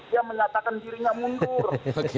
dia menyatakan dirinya mundur